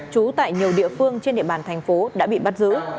trú tại nhiều địa phương trên địa bàn thành phố đã bị bắt giữ